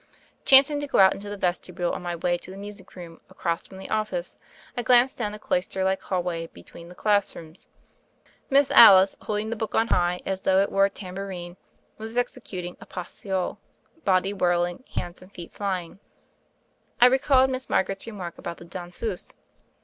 Chancing to go out into the vestibule on my way to the music room, across from the office, I glanced down the cloister like hall way be THE FAIRY OF THE SNOWS 29 tween the class rooms. Miss Alice holding the book on high as though it were a tambourine, was executing a "pas seul" — body whirling, hands and feet flying. I recalled Miss Mar garet's remark about the "danseuse."